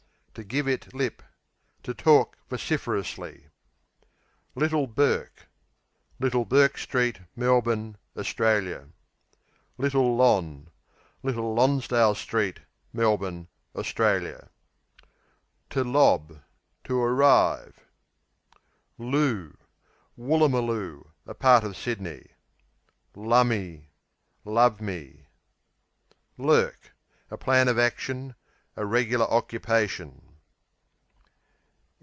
To give it lip To talk vociferously. Little Bourke Little Bourke Street, Melbourne, Australia. Little Lon. Little Lonsdale Street, Melbourne, Australia. Lob, to To arrive. 'Loo Woolloomooloo, a part of Sydney. Lumme Love me. Lurk A plan of action; a regular occupation.